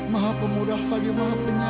maha pemudah bagi maha penyayang